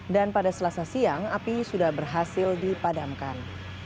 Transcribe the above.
dan pada selasa siang api sudah berhasil dipadamkan